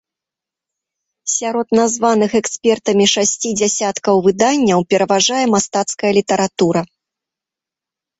Сярод названых экспертамі шасці дзясяткаў выданняў пераважае мастацкая літаратура.